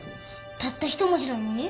たった一文字なのに？